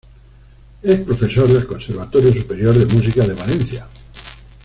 Es profesor del Conservatorio Superior de Música de Valencia.